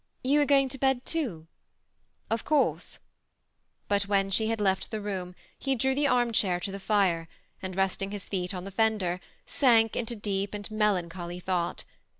You are going to bed too ?" "Of course;" but when she had left the room, he drew the arm chair to the fire, and resting hb feet on the fender, sank into deep and melancbolj thought.